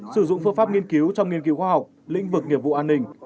sử dụng phương pháp nghiên cứu trong nghiên cứu khoa học lĩnh vực nghiệp vụ an ninh